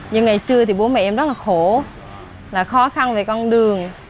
nhưng ngày xưa thì bố mẹ em rất là khổ là khó khăn về con đường